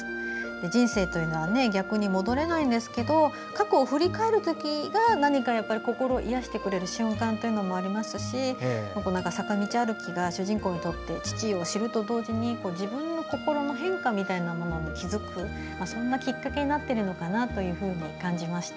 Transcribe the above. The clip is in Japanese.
人生というのは逆には戻れないんですけど過去を振り返るときが何か、心を癒やしてくれる瞬間になることもありますし坂道歩きが主人公にとって父を知ると同時に自分の心の変化みたいなものに気付くそんなきっかけになっているのかなと感じました。